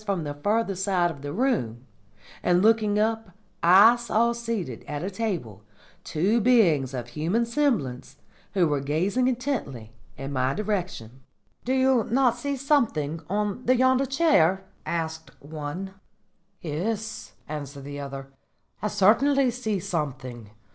Suddenly I thought I heard a whispered voice from the further side of the room, and looking up I saw seated at a table two beings of human semblance, who were gazing intently in my direction. "'Do you not see something on yonder chair?' asked one. "'Yes,' answered the other, 'I certainly see something.